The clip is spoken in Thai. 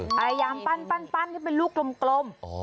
พยายามปั้นให้เป็นลูกกลม